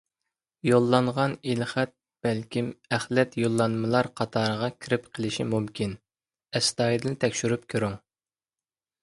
يوللانغان ئېلخەت بەلكىم ئەخلەت يوللانمىلار قاتارىغا كىرىپ قېلىشى مۇمكىن، ئەستايىدىل تەكشۈرۈپ كۆرۈڭ.